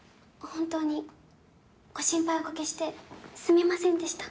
本当にご心配おかけしてすみませんでした